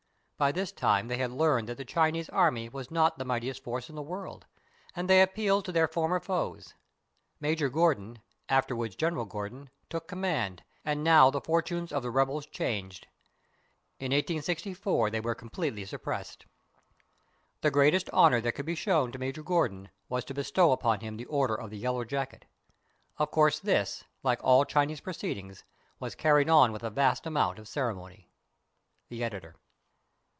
By this time they had learned that the Chinese army was not the mightiest force in the world, and they appealed to their former foes. Major Gordon, afterwards General Gordon, took command, and now the fortunes of the rebels changed. In 1864 they were completely suppressed. The greatest honor that could be shown to Major Gordon was to bestow upon him the order of the Yellow Jacket. Of course this, like all Chinese proceedings, was carried on with a vast amount of ceremony. The Editor.